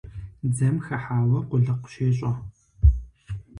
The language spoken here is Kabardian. Дзэм хыхьауэ къулыкъу щещӀэ.